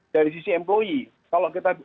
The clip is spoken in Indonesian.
dari sisi employe kalau kita